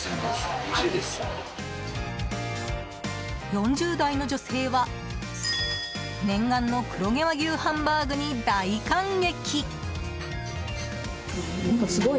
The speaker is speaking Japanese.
４０代の女性は、念願の黒毛和牛ハンバーグに大感激。